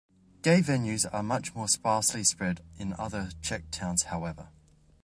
Gay venues are much more sparsely spread in other Czech towns however.